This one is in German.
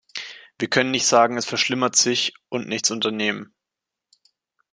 Wir können nicht sagen, es verschlimmert sich, und nichts unternehmen.